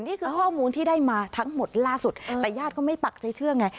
นี่คือข้อมูลที่ได้มาทั้งหมดล่าสุดแต่ญาติก็ไม่ปักใจเชื่อไง